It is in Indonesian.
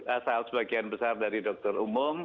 asal sebagian besar dari dokter umum